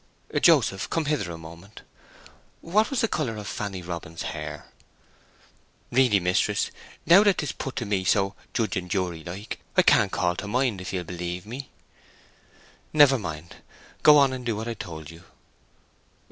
"Joseph, come hither a moment. What was the colour of Fanny Robin's hair?" "Really, mistress, now that 'tis put to me so judge and jury like, I can't call to mind, if ye'll believe me!" "Never mind; go on and do what I told you.